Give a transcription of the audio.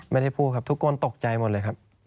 ไม่ได้พูดครับทุกคนตกใจหมดเลยครับ